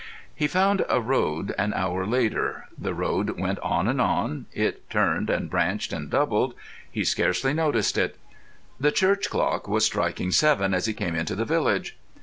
He found a road an hour later; the road went on and on, it turned and branched and doubled—he scarcely noticed it. The church clock was striking seven as he came into the village.